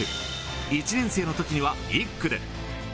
１年生のときには１区で。